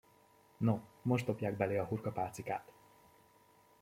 No, most dobják belé a hurkapálcikát!